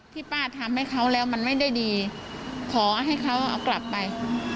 ที่ป้าทำให้เขาแล้วมันไม่ได้ดีขอให้เขาเอากลับไป